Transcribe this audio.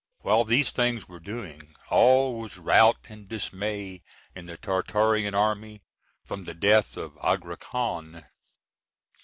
While these things were doing, all was rout and dismay in the Tartarian army, from the death of Agrican.